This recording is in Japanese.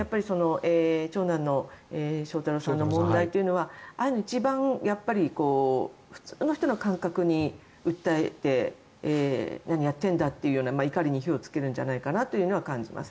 長男の翔太郎さんの問題というのは一番、普通の人の感覚に訴えて何やってんだという怒りに火をつけるんじゃないかなというのを感じます。